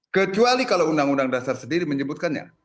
kecuali kalau undang undang dasar sendiri menyebutkannya